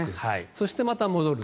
そしてまだ戻る。